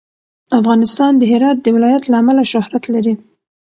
افغانستان د هرات د ولایت له امله شهرت لري.